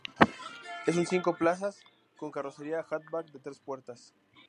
Es un cinco plazas con carrocería hatchback de tres puertas.